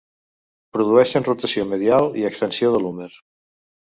Produeix rotació medial i extensió de l'húmer.